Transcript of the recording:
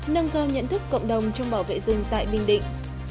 nâng cao nhận thức cộng đồng trong bảo vệ rừng tại bình định